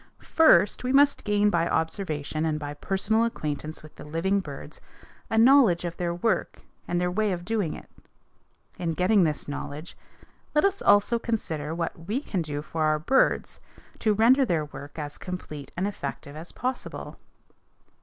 First, we must gain by observation and by personal acquaintance with the living birds a knowledge of their work and their way of doing it. In getting this knowledge, let us also consider what we can do for our birds to render their work as complete and effective as possible.